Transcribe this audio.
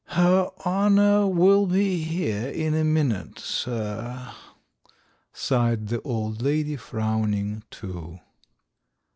"Her honour will be here in a minute, sir ..." sighed the old lady, frowning too.